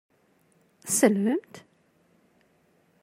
Tselbemt?